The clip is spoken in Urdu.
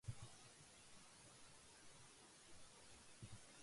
سارے جہان کا گند وہاں نظر آ رہا تھا۔